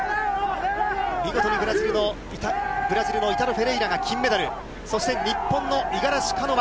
見事にブラジルのイタロ・フェレイラが金メダル。そして日本の五十嵐カノア。